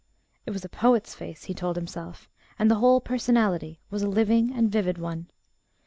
It was a poet's face, he told himself, and the whole personality was a living and vivid one.